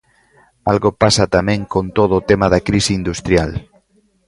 Algo pasa tamén con todo o tema da crise industrial.